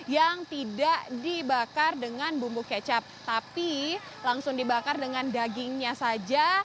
yang tidak dibakar dengan bumbu kecap tapi langsung dibakar dengan dagingnya saja